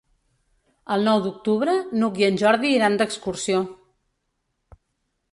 El nou d'octubre n'Hug i en Jordi iran d'excursió.